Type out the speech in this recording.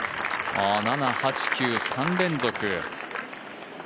７、８、９、３連続。